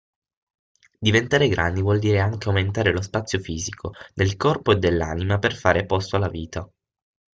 Diventare grandi vuol dire anche aumentare lo spazio fisico, del corpo e dell'anima per fare posto alla vita.